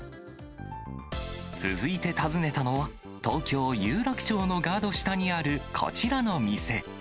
続いて訪ねたのは、東京・有楽町のガード下にある、こちらの店。